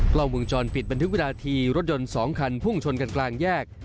กล้องวงจรปิดบันทึกวินาทีรถยนต์๒คันพุ่งชนกันกลางแยก